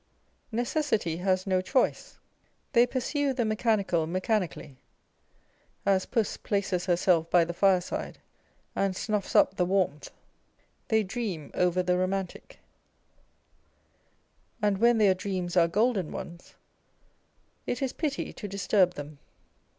Necessity has no choice. They pursue the mechanical mechanically, as puss places herself by the fireside, and snuffs up the warmth : â€" they dream over the romantic ; and when their dreams are golden ones, it is pity to disturb them.